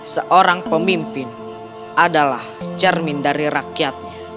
seorang pemimpin adalah cermin dari rakyatnya